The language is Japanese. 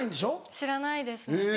知らないですね。